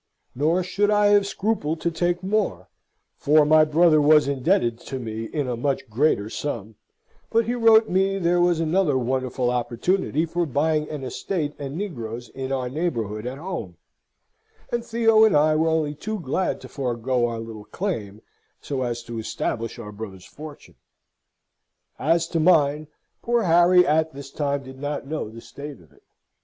Nor should I have scrupled to take more (for my brother was indebted to me in a much greater sum), but he wrote me there was another wonderful opportunity for buying an estate and negroes in our neighbourhood at home; and Theo and I were only too glad to forgo our little claim, so as to establish our brother's fortune. As to mine, poor Harry at this time did not know the state of it.